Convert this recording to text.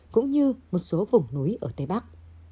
cũng như một số vùng núi ở tây bắc